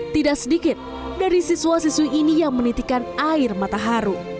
tidak sedikit dari siswa siswi ini yang menitikan air matahari